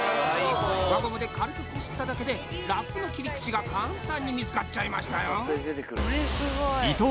輪ゴムで軽くこすっただけでラップの切り口が簡単に見つかっちゃいましたよ。